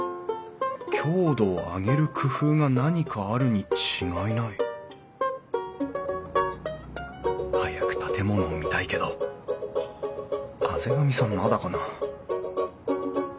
強度を上げる工夫が何かあるに違いない早く建物を見たいけど畔上さんまだかな？